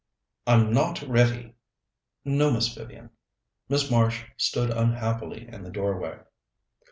"I'm not ready." "No, Miss Vivian." Miss Marsh stood unhappily in the doorway.